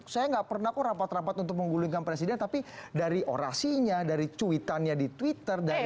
saya nggak pernah kok rapat rapat untuk menggulingkan presiden tapi dari orasinya dari cuitannya di twitter